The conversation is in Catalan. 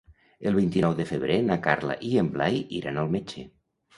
El vint-i-nou de febrer na Carla i en Blai iran al metge.